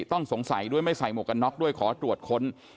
ต้องสงสัยด้วยไม่ใส่หมวกกันน็อกด้วยขอตรวจค้น